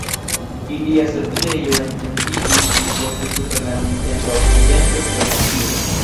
Ilia setlejo etendiĝis pli poste super la nuntempa okcidenta Slovakio.